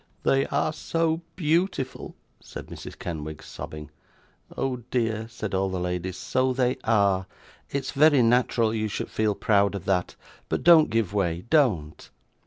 'They are so beautiful!' said Mrs. Kenwigs, sobbing. 'Oh, dear,' said all the ladies, 'so they are! it's very natural you should feel proud of that; but don't give way, don't.